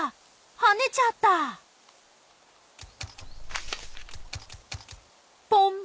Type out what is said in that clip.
はねちゃったポン！